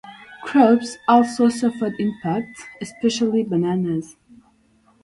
Crops also suffered impact, especially bananas.